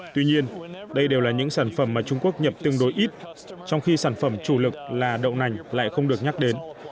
tuy nhiên đây đều là những sản phẩm mà trung quốc nhập tương đối ít trong khi sản phẩm chủ lực là đậu nành lại không được nhắc đến